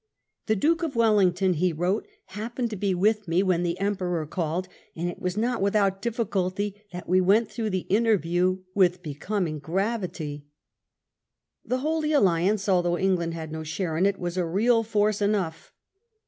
" The Duke of Wellington," he wrote, " happened to be with me when the Emperor called, and it was not without difficulty that we went through the interview with becoming gravitjr:" The Holy Alliance, although England had no share in it, was a real force enough.